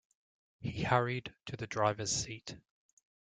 He hurried to the driver's seat.